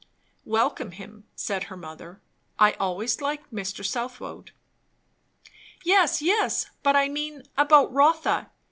"Welcome him," said her mother. "I always liked Mr. Southwode." "Yes, yes, but I mean, about Rotha.